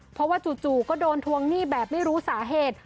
เพราะว่าจู่ก็โดนทวงหนี้แบบไม่รู้สาเหตุ